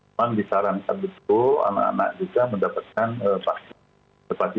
memang disarankan betul anak anak juga mendapatkan vaksin hepati